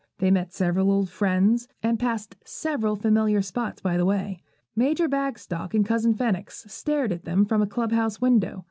They met several old friends, and passed several familiar spots by the way. Major Bagstock and Cousin Phenix stared at them from a club house window.